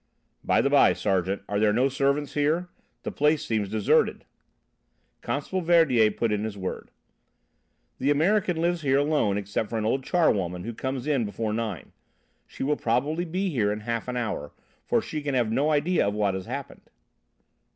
"By the by, Sergeant, are there no servants here? The place seems deserted." Constable Verdier put in his word: "The American lives here alone except for an old charwoman who comes in before nine. She will probably be here in half an hour, for she can have no idea of what has happened."